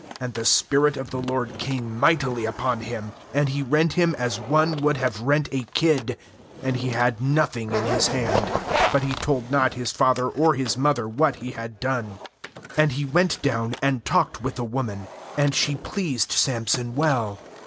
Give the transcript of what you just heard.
6And the spirit of the LORD came mightily upon him, and he rent him as one would have rent a lad, and he had nothing in his hand; but he told not his father or his mother what he had done. 7And he went down, and talked with the woman; and she pleased Samson well.